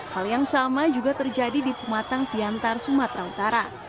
hal yang sama juga terjadi di pematang siantar sumatera utara